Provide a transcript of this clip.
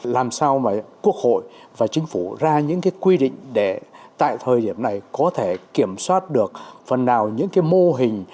làm sao mà quốc hội và chính phủ ra những cái quy định để tại thời điểm này có thể kiểm soát được phần nào những cái mô hình